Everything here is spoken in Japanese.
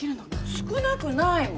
少なくないもん。